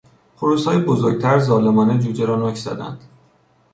خروسهای بزرگتر ظالمانه جوجه را نوک زدند.